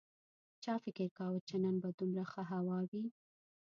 چا فکر کاوه چې نن به دومره ښه هوا وي